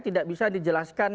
tidak bisa dijelaskan